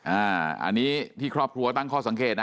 อันนี้ที่ครอบครัวตั้งข้อสังเกตนะ